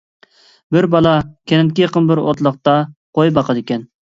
بىر بالا كەنتكە يېقىن بىر ئوتلاقتا قوي باقىدىكەن.